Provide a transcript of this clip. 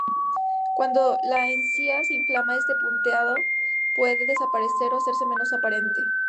Cuando la encía se inflama, este punteado puede desaparecer o hacerse menos aparente.